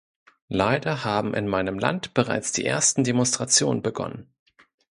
Leider haben in meinem Land bereits die ersten Demonstrationen begonnen.